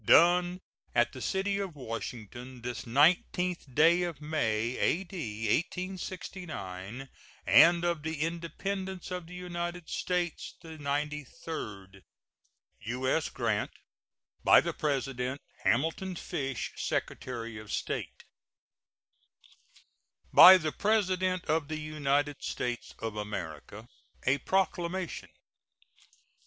Done at the city of Washington, this 19th day of May, A.D. 1869, and of the Independence of the United States the ninety third. U.S. GRANT. By the President: HAMILTON FISH, Secretary of State. BY THE PRESIDENT OF THE UNITED STATES OF AMERICA. A PROCLAMATION.